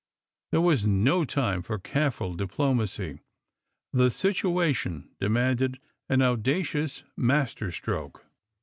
There was no time for careful diplomacy; the situation demanded an audacious master stroke.